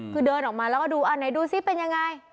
คือเดินออกมาแล้วก็ดูอันไหนดูซิเป็นยังไง